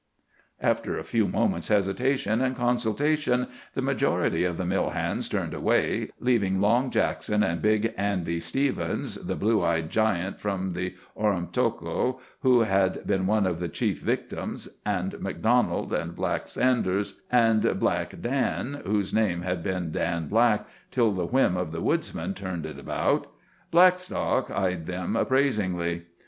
After a few moments' hesitation and consultation the majority of the mill hands turned away, leaving Long Jackson and big Andy Stevens, the blue eyed giant from the Oromocto (who had been one of the chief victims), and MacDonald, and Black Saunders, and Black Dan (whose name had been Dan Black till the whim of the woodsmen turned it about). Blackstock eyed them appraisingly.